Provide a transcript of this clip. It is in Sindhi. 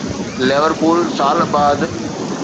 ليورپول سال بعد